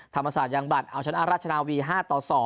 ธรรมศาสตร์ยังบลัดเอาชนะราชนาวี๕ต่อ๒